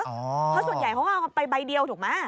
เพราะส่วนใหญ่เขาก็เอาไปใบเดียวถูกไหม